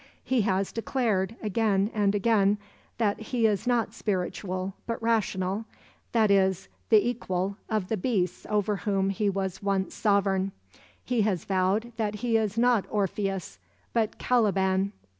He has declared, again and again, that he is not spiritual, but rational, that is, the equal of the beasts over whom he was once sovereign. He has vowed that he is not Orpheus but Caliban.